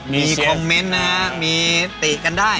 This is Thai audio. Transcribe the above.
มีคอมเมนต์นะมีติกันได้